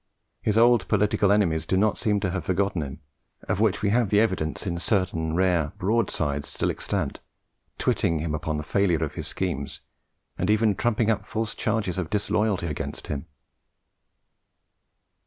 His old political enemies do not seem to have forgotten him, of which we have the evidence in certain rare "broadsides" still extant, twitting him with the failure of his schemes, and even trumping up false charges of disloyalty against him.